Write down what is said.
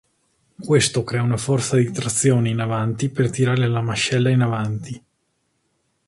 Questo crea una forza di trazione in avanti per tirare la mascella in avanti.